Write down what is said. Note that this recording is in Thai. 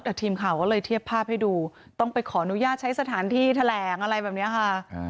แต่ทีมข่าวก็เลยเทียบภาพให้ดูต้องไปขออนุญาตใช้สถานที่แถลงอะไรแบบนี้ค่ะ